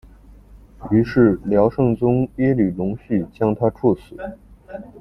于是辽圣宗耶律隆绪将他处死。